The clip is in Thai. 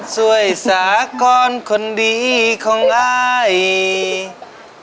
ซวยสากรอนคนดีของอาฮิ